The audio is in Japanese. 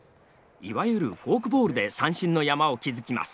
いわゆるフォークボールで三振の山を築きます。